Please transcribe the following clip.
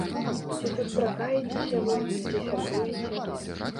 Ці сустракаецеся вы, ці сябруеце?